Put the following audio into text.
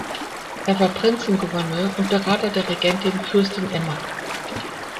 Er war Prinzengouverneur und Berater der Regentin Fürstin Emma.